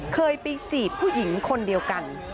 เคยไปจีบผู้หญิงคนเดียวกัน